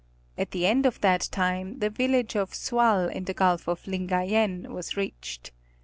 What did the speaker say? At the end of that time the village of Sual in the Gulf of Lingayen was reached.